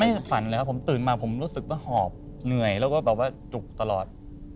ฝันเลยครับผมตื่นมาผมรู้สึกว่าหอบเหนื่อยแล้วก็แบบว่าจุกตลอด